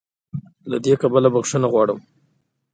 له دې کبله "بخښنه غواړي"